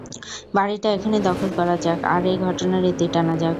বাড়িটা এখনই দখল করা যাক আর এই ঘটনার ইতি টানা যাক।